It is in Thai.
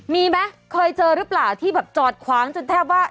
มีไหมเคยเจอหรือเปล่าที่แบบจอดขวางจนแทบว่า